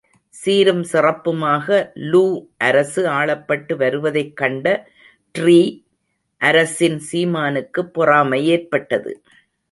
சீரும் சிறப்புமாக லூ அரசு ஆளப்பட்டு வருவதைக் கண்ட ட்ரீ அரசின் சீமானுக்குப் பொறாமை ஏற்பட்டது.